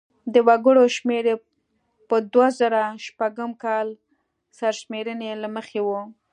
د وګړو شمېر یې په دوه زره شپږم کال سرشمېرنې له مخې و.